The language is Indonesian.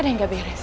ada yang gak beres